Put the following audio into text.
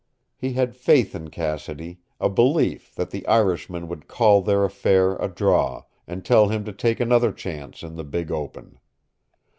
He had faith in Cassidy, a belief that the Irishman would call their affair a draw, and tell him to take another chance in the big open.